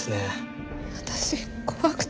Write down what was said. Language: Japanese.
私怖くて。